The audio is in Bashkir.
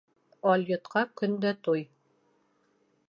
Алйотҡа көн дә туй.